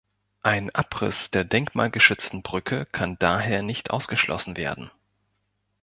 Ein Abriss der denkmalgeschützten Brücke kann daher nicht ausgeschlossen werden.